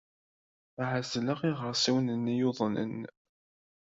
Ɛezleɣ iɣersiwen-nni yuḍnen.